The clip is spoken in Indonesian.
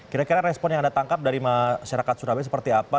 kira kira respon yang anda tangkap dari masyarakat surabaya seperti apa